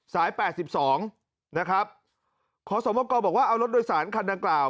สายแปปสิบสองนะครับขอสมรรกรบอกว่าเอารถโดยสารขนาฬกล่าว